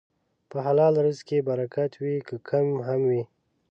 په حلال رزق کې برکت وي، که کم هم وي.